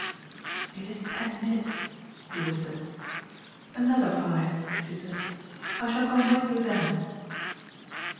"It is ten minutes," he whispered. "Another five," she said. "I shall come with you then."